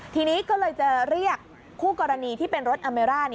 ทีนี้ก็เลยจะเรียกคู่กรณีที่เป็นรถอเมร่า